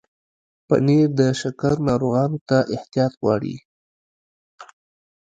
پنېر د شکر ناروغانو ته احتیاط غواړي.